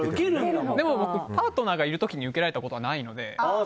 でもパートナーがいる時に受けられたことはないので。